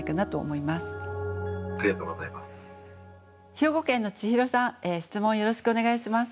兵庫県のちひろさん質問よろしくお願いします。